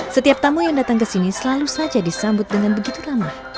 setiap tamu yang datang ke sini selalu saja disambut dengan begitu lama